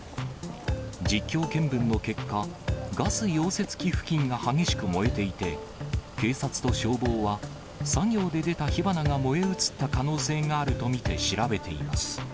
実況見分の結果、ガス溶接機付近が激しく燃えていて、警察と消防は、作業で出た火花が燃え移った可能性があると見て調べています。